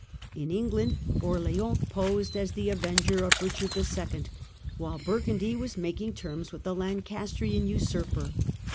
In England Orleans posed as the avenger of Eichard IL, while Bur gundy was making terms with the Lancastrian usurper.